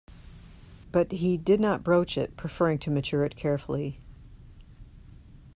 But he did not broach it, preferring to mature it carefully.